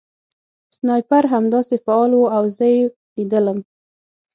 سنایپر همداسې فعال و او زه یې لیدلم